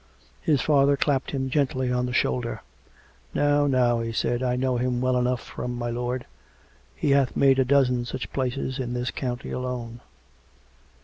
His father clapped him gently on the shoulder. " Now, now !" he said. " I know him well enough, from my lord. He hath made a dozen such places in this county alone."